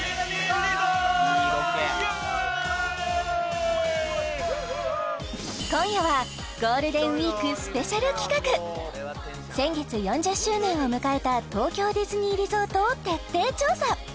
フーフーフー今夜はゴールデンウイークスペシャル企画先月４０周年を迎えた東京ディズニーリゾートを徹底調査！